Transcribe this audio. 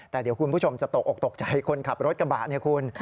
แต่เดี๋ยวคุณผู้ชมจะตกออกตกใจคนขับรถกระบะเนี่ยคุณ